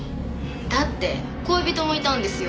だって恋人もいたんですよ。